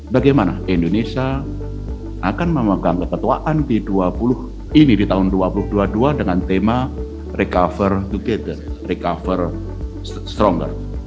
bagaimana indonesia akan memegang kepetuaan di tahun dua ribu dua puluh dua dengan tema recover together recover stronger